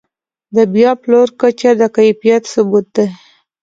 د بیا پلور کچه د کیفیت ثبوت دی.